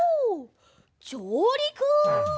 じょうりく！